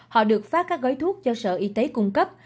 họ được phát các gói thuốc do sở y tế cung cấp